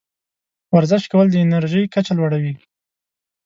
ورزش کول د انرژۍ کچه لوړوي.